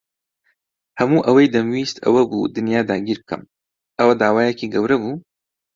هەموو ئەوەی دەمویست ئەوە بوو دنیا داگیر بکەم. ئەوە داوایەکی گەورە بوو؟